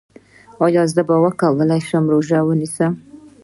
ایا زه به وکولی شم روژه ونیسم؟